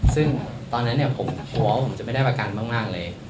ซึ่งตอนนั้นผมกลัวว่าผมจะไม่ได้ประกันมากเลย